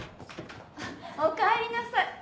おかえりなさい。